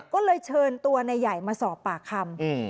ก็เลยเชิญตัวนายใหญ่มาสอบปากคำ